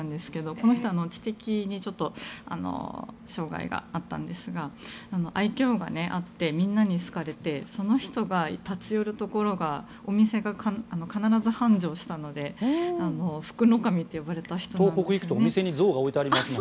この人は知的に障害があったんですが愛嬌があってみんなに好かれてその人が立ち寄るところお店が必ず繁盛したので福の神と呼ばれた人なんですよね。